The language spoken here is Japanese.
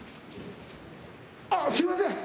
あぁすいません！